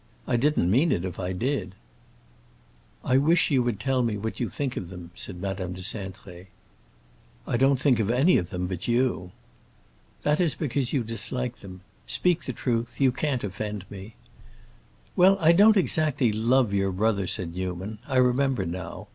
I didn't mean it, if I did." "I wish you would tell me what you think of them," said Madame de Cintré. "I don't think of any of them but you." "That is because you dislike them. Speak the truth; you can't offend me." "Well, I don't exactly love your brother," said Newman. "I remember now.